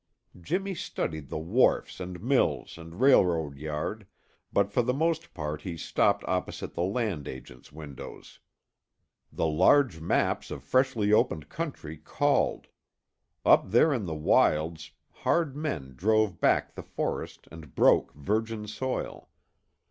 Jimmy studied the wharfs and mills and railroad yard, but for the most part he stopped opposite the land agents' windows. The large maps of freshly opened country called. Up there in the wilds, hard men drove back the forest and broke virgin soil.